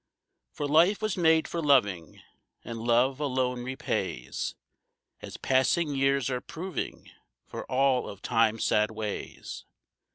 For life was made for loving, and love alone repays, As passing years are proving for all of Time's sad ways.